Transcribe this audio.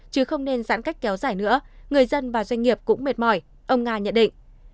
chứ không nên giãn cách kéo dài nữa người dân và doanh nghiệp cũng mệt mỏi ông nga nhận định